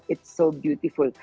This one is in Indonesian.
itu sangat indah